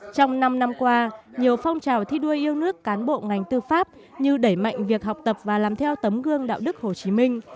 trong năm năm qua nhiều phong trào thi đua yêu nước cán bộ ngành tư pháp như đẩy mạnh việc học tập và làm theo tấm gương đạo đức hồ chí minh